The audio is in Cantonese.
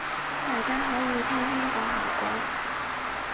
大家可以聽聽個效果